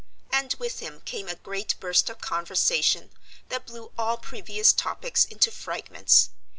And with him came a great burst of conversation that blew all previous topics into fragments.